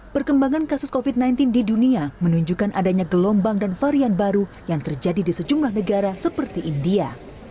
perkembangan kasus covid sembilan belas di dunia menunjukkan adanya gelombang dan varian baru yang terjadi di sejumlah negara seperti india